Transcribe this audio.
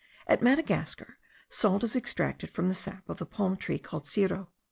At Madagascar salt is extracted from the sap of a palm tree called ciro.